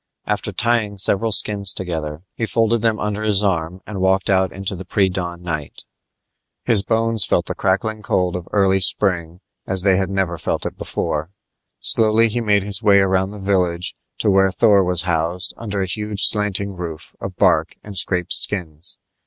After tying several skins together, he folded them under his arm and walked out into the pre dawn night. His bones felt the crackling cold of early spring as they had never felt it before. Slowly he made his way around the village to where Thor was housed under a huge slanting roof of bark and scraped skins.